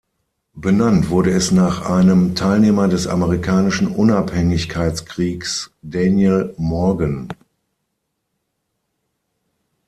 Benannt wurde es nach einem Teilnehmer des Amerikanischen Unabhängigkeitskriegs, Daniel Morgan.